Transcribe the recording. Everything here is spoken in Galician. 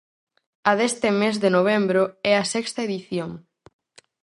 A deste mes de novembro é a sexta edición.